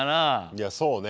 いやそうね。